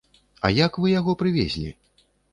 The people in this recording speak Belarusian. А як вы яго прывезлі?